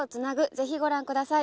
ぜひご覧ください